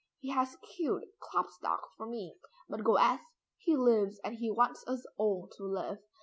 He has killed Klopstock for me, but Goethe he lives and he wants us all to live.